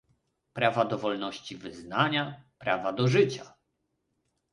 prawa do wolności wyznania, prawa do życia